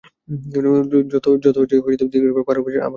যত শীঘ্র পার এবং যতবার ইচ্ছা আমাকে চিঠি লিখিও।